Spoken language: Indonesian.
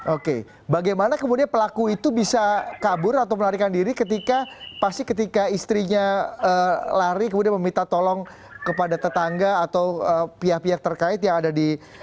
oke bagaimana kemudian pelaku itu bisa kabur atau melarikan diri ketika pasti ketika istrinya lari kemudian meminta tolong kepada tetangga atau pihak pihak terkait yang ada di